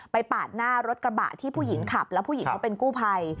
ปาดหน้ารถกระบะที่ผู้หญิงขับแล้วผู้หญิงเขาเป็นกู้ภัย